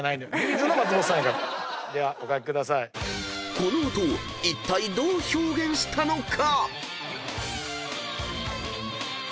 ［この音をいったいどう表現したのか］